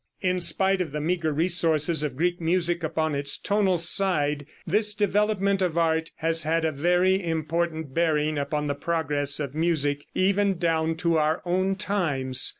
In spite of the meager resources of Greek music upon its tonal side, this development of art has had a very important bearing upon the progress of music, even down to our own times.